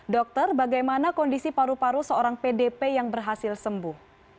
dokter bagaimana kondisi paru paru seorang pdp yang berhasil sembuh